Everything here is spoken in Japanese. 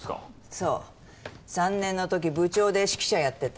そう３年のとき部長で指揮者やってた。